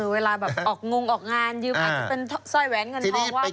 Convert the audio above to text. เวลาแบบออกงงออกงานยืมอาจจะเป็นสร้อยแหวนเงินทองว่าง